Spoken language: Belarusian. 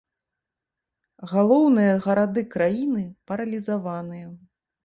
Галоўныя гарады краіны паралізаваныя.